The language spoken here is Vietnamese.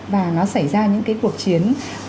và nó xảy ra những cái cuộc chiến